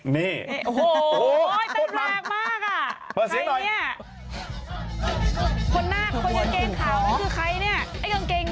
นี่โอ้โฮโอ๊ยเต้นแรงมากอ่ะใครนี่คนหน้าคนกางเกงขาวนั่นคือใครนี่